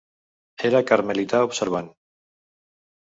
Era carmelità observant.